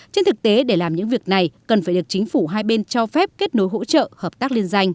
trên thực tế để làm những việc này cần phải được chính phủ hai bên cho phép kết nối hỗ trợ hợp tác liên danh